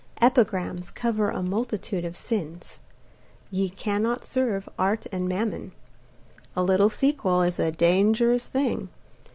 Epigrams cover a multitude of sins. Ye can not serve Art and Mammon. A little sequel is a dangerous thing.